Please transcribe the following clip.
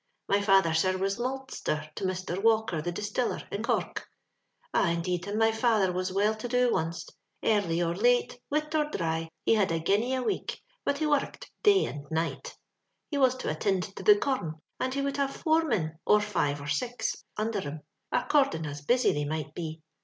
My father, sir, was maltster to Mr. Walker the dis tiller, in Gormk. Ah ! indeed, and my father was well to do wonst Early or late, wit or dry, he had a guinea a week, but he worruked day and night; he was to attind to the corun, and he would have four min, or five or six, undther him, according as busy they might be.